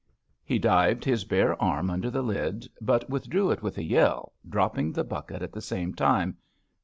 " He dived his bare arm under the lid, but with drew it with a yell, dropping the bucket at the same time.